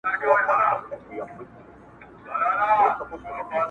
قربانو زړه مـي خپه دى دا څو عمـر~